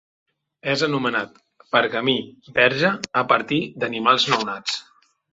És anomenat pergamí verge, a partir d'animals nounats.